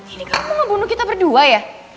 ini kamu mau bunuh kita berdua ya